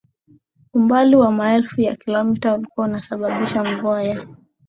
umbali wa maelfu ya kilomita ulikuwa unasababisha mvua ya